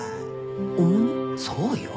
そうよ。